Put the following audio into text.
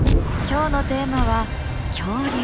今日のテーマは「恐竜」。